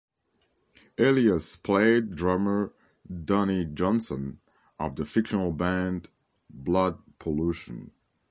Elias played drummer Donny Johnson, of the fictional band Blood Pollution.